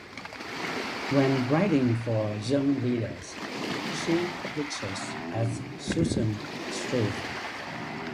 When writing for young readers, she publishes as Susan Shreve.